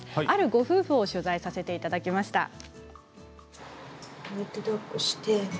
あるご夫婦を取材させていただきました。